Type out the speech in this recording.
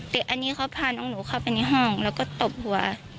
แต่อันนี้เขาพาน้องหนูเข้าไปในห้องแล้วก็ตบหัว